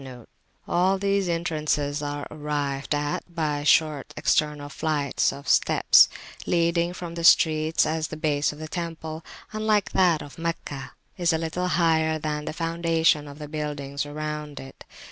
[FN#70] All these entrances are arrived at by short external flights of steps leading from the streets, as the base of the temple, unlike that of Meccah, is a little higher than the foundation of the buildings around it.